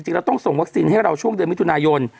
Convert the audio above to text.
เราต้องส่งวัคซีนให้เราช่วงเดือนมิถุนายน